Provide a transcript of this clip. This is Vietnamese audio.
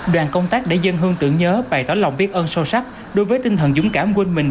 đoàn công tác đã dân hương tưởng nhớ bày tỏ lòng biết ơn sâu sắc đối với tinh thần dũng cảm quên mình